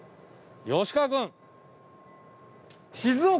吉川君。